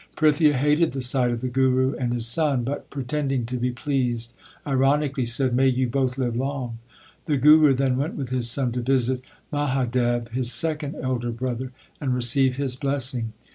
Prithia hated the sight of the Guru and his son, but, pre tending to be pleased, ironically said, May you both live long ! The Guru then went with his son to visit Mahadev, his second elder brother, and receive his blessing.